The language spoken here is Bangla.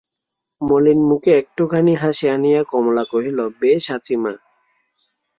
মলিন মুখে একটুখানি হাসি আনিয়া কমলা কহিল, বেশ আছি মা!